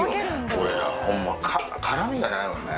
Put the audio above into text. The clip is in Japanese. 俺らホンマ絡みがないもんね。